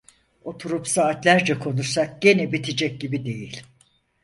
Oturup saatlerce konuşsak gene bitecek gibi değil.